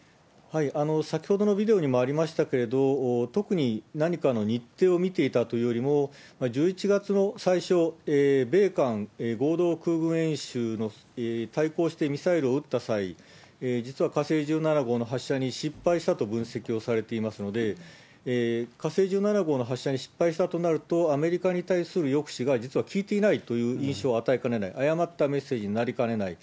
先ほどのビデオにもありましたけれども、特に何かの日程を見ていたというよりも、１１月の最初、米韓合同空軍演習の対抗してミサイルを撃った際、実は火星１７号の発射に失敗したと分析をされていますので、火星１７号の発射に失敗したとなると、アメリカに対する抑止が、実は効いていないという印象を与えかねない、誤ったメッセージになりかねない。